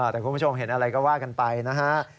แต่คุณผู้ชมเห็นอะไรก็ว่ากันไปนะฮะ